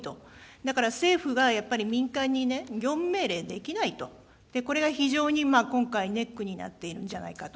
だから政府が、やっぱり民間にね、業務命令できないと。これが非常に今回、ネックになっているんじゃないかと。